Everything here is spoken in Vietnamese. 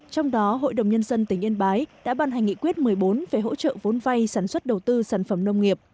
trong đó hội đồng nhân dân tỉnh yên bái đã ban hành nghị quyết một mươi bốn về hỗ trợ vốn vay sản xuất đầu tư sản phẩm nông nghiệp